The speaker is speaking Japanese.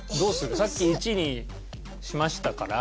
さっき１にしましたから。